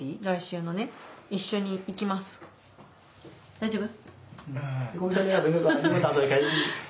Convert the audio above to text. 大丈夫？